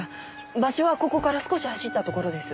場所はここから少し走ったところです。